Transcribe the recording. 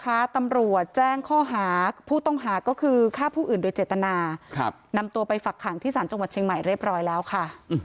ตำรวจแจ้งข้อหาผู้ต้องหาก็คือฆ่าผู้อื่นโดยเจตนานำตัวไปฝักขังที่ศาลจังหวัดเชียงใหม่เรียบร้อยแล้วค่ะ